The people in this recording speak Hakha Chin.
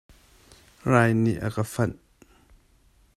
Rai nih a ka fanh.